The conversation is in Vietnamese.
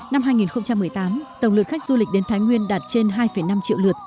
năm hai nghìn một mươi tám tổng lượt khách du lịch đến thái nguyên đạt trên hai năm triệu lượt